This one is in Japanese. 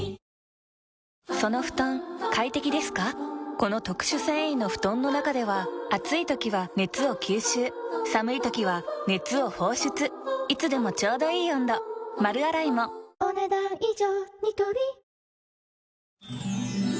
この特殊繊維の布団の中では暑い時は熱を吸収寒い時は熱を放出いつでもちょうどいい温度丸洗いもお、ねだん以上。